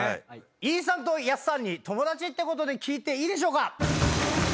飯さんとやっさんに友達ってことで聞いていいですか？